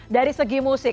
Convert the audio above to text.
dari segi musik